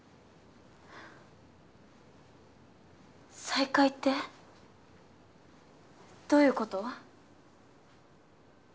再会ってどういうこと？